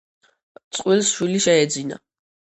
წყვილს შვილი შეეძინა.